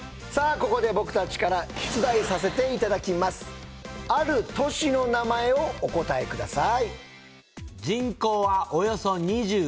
ここで僕たちから出題させて頂きますある都市の名前をお答えください